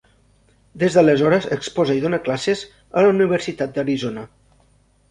Des d'aleshores exposa i dóna classes a la Universitat d’Arizona.